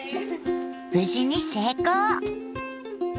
無事に成功！